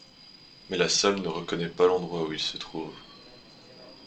Mais La Salle ne reconnaît pas l’endroit où il se trouve.